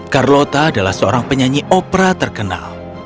carlota adalah seorang penyanyi opera terkenal